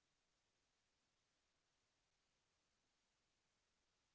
ส่วนข้อมีการหรือเปล่า